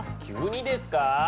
急にですか？